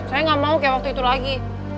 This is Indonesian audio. saya nggak mau kayak waktu itu lagi